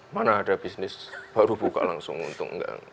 mana ada bisnis baru buka langsung untung enggak